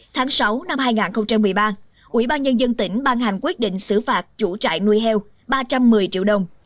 tháng sáu năm hai nghìn một mươi ba ủy ban nhân dân tỉnh ban hành quyết định xử phạt chủ trại nuôi heo ba trăm một mươi triệu đồng